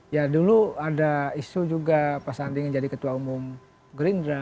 ya dulu ada isu juga pak sandi ingin jadi ketua umum gerindra